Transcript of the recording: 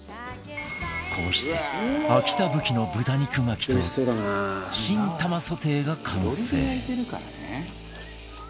こうしてアキタブキの豚肉巻きと新玉ソテーが完成